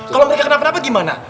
kalau mereka kenapa gimana